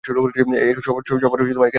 সবার এখানে আসা উচিত।